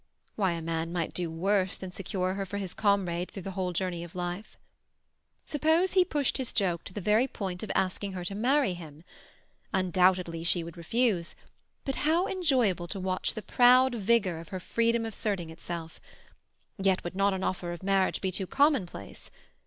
Why, a man might do worse than secure her for his comrade through the whole journey of life. Suppose he pushed his joke to the very point of asking her to marry him? Undoubtedly she would refuse; but how enjoyable to watch the proud vigour of her freedom asserting itself! Yet would not an offer of marriage be too commonplace?